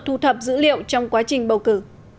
thu thập dữ liệu trong quá trình bầu cử